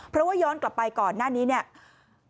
เพราะว่าย้อนกลับไปก่อนหน้านี้เนี่ย